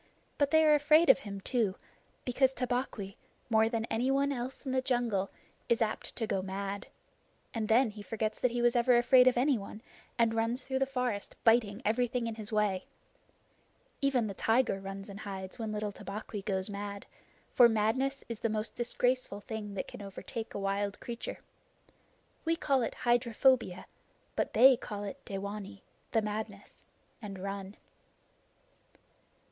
But they are afraid of him too, because Tabaqui, more than anyone else in the jungle, is apt to go mad, and then he forgets that he was ever afraid of anyone, and runs through the forest biting everything in his way. Even the tiger runs and hides when little Tabaqui goes mad, for madness is the most disgraceful thing that can overtake a wild creature. We call it hydrophobia, but they call it dewanee the madness and run.